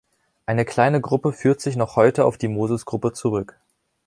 Eine kleine Gruppe führt sich noch heute auf die Moses-Gruppe zurück.